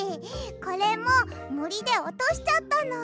これももりでおとしちゃったの。